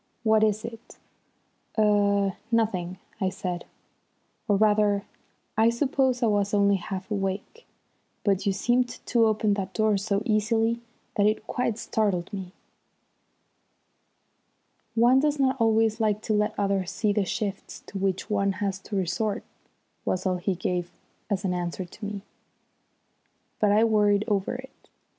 "What is it?" "Er nothing," I said. "Or rather I suppose I was only half awake; but you seemed to open that door so easily that it quite startled me." "One does not always like to let others see the shifts to which one has to resort," was all the answer he gave me. But I worried over it.